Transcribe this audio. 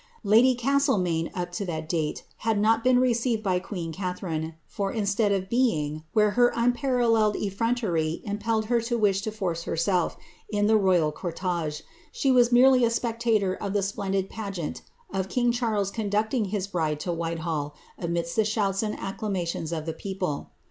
* Lady Castlemaine, up to that date, had not been received by queen Catharine, for, instead of being, where her unparalleled efirontery im pelled her to wish to force herself, in the royal cortege, she was merely a spectator of the splendid pageant of king Charles conducting his bride to Whitehall, amidst the shouts and acclamations of the people.